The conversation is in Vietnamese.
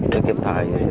để kiếp thời